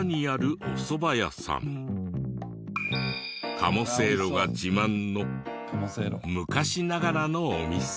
鴨せいろが自慢の昔ながらのお店。